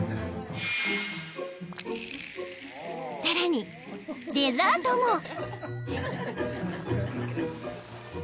［さらにデザートも］